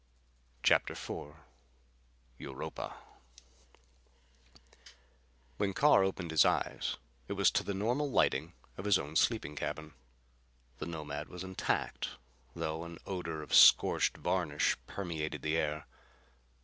CHAPTER IV Europa When Carr opened his eyes it was to the normal lighting of his own sleeping cabin. The Nomad was intact, though an odor of scorched varnish permeated the air.